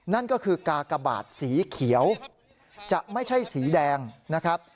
นั่นก็คือกากบาทสีเขียวจะไม่ใช่สีแดงนะครับ